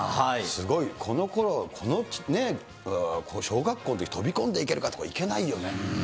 すごい、このころ、小学校のとき、飛び込んでいけるかっていけないよね。